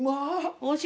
おいしい！